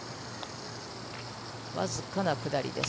わずかな下りです。